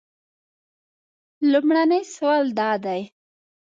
لومړنی سوال دا دی.